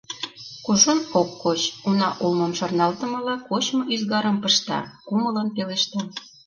Кужун ок коч, уна улмым шарналтымыла, кочмо ӱзгарым пышта, кумылын пелешта: